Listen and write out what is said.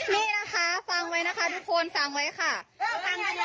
นี่นะคะฟังไว้นะคะทุกคนฟังไว้ค่ะ